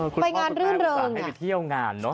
ไปงานรื่นเริงอ่ะคุณพ่อให้ไปเที่ยวงานเนอะ